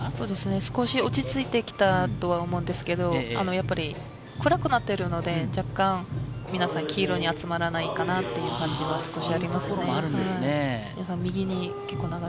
少し落ち着いてきたとは思うんですけれど、やっぱり暗くなってるので、若干、皆さん黄色に集まらないかなという感じがします。